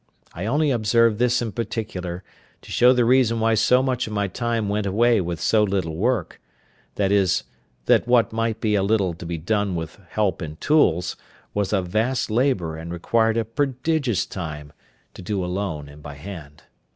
I only observe this in particular, to show the reason why so much of my time went away with so little work—viz. that what might be a little to be done with help and tools, was a vast labour and required a prodigious time to do alone, and by hand.